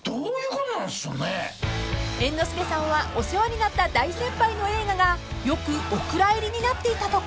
［猿之助さんはお世話になった大先輩の映画がよくお蔵入りになっていたとか］